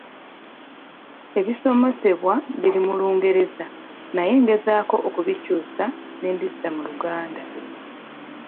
Ebisomesebwa biri mu Lungereza naye ngezezzaako okubikyusa ne mbizza mu Luganda.